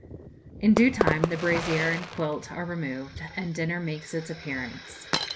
In due time brazier and quilt are removed, and dinner makes its appearance.